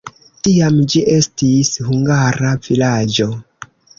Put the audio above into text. Tiam ĝi estis hungara vilaĝo.